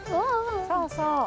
そうそう。